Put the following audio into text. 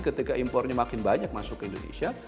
ketika impornya makin banyak masuk ke indonesia